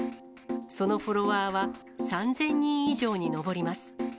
そのフォロワーは３０００人以上に上ります。